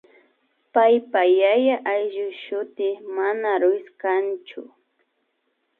paypa yaya ayllushuti mana Ruíz kanchu